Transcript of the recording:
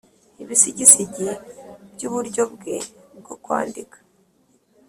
ibisigisigi byuburyo bwe bwo kwandika